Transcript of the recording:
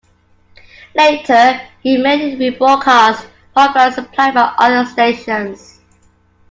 Later it mainly rebroadcast programmes supplied by other stations.